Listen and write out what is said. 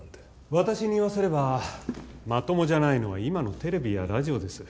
私に言わせればまともじゃないのは今のテレビやラジオです。